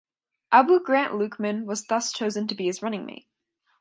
Abu Grant Lukeman was thus chosen to be his running mate.